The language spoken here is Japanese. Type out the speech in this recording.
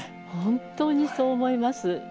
本当にそう思います。